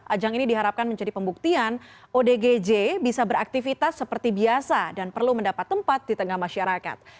ajang ini diharapkan menjadi pembuktian odgj bisa beraktivitas seperti biasa dan perlu mendapat tempat di tengah masyarakat